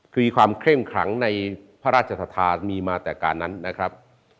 คือความเข้มขังในพระราชธามีมาแต่การนั้นนะครับ